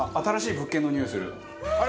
あれ？